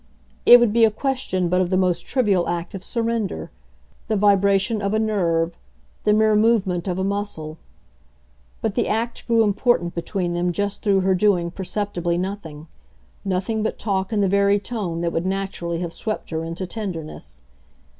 It would be a question but of the most trivial act of surrender, the vibration of a nerve, the mere movement of a muscle; but the act grew important between them just through her doing perceptibly nothing, nothing but talk in the very tone that would naturally have swept her into tenderness.